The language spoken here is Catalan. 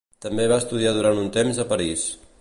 També va estudiar durant un temps a París.